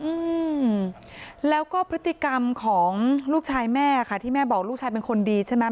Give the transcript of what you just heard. อืมแล้วก็พฤติกรรมของลูกชายแม่ค่ะที่แม่บอกลูกชายเป็นคนดีใช่ไหม